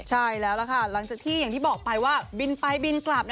ใช่แล้วล่ะค่ะหลังจากที่อย่างที่บอกไปว่าบินไปบินกลับ